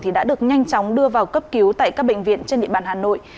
thì đã được nhanh chóng đưa vào cấp cứu tại các bệnh viện trên địa bàn hà nội